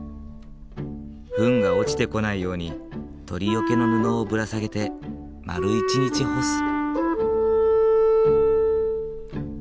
フンが落ちてこないように鳥よけの布をぶら下げて丸１日干す。